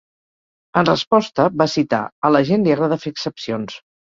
En resposta, va citar: A la gent li agrada fer excepcions.